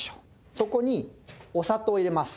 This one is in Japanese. そこにお砂糖を入れます。